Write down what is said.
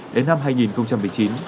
đến năm hai nghìn một mươi chín